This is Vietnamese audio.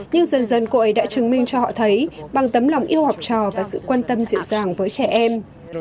nhưng dần dần cô ấy đã chứng minh cho họ thấy bằng tấm lòng yêu học trò và sự quan tâm dịu dàng với trẻ em